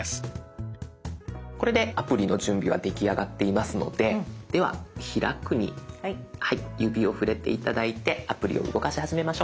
これでアプリの準備は出来上がっていますのででは「開く」に指を触れて頂いてアプリを動かし始めましょう。